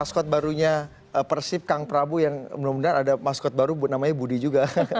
maskot barunya persib kang prabu yang benar benar ada maskot baru namanya budi juga